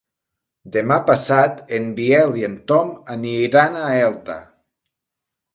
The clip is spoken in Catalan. Demà passat en Biel i en Tom aniran a Elda.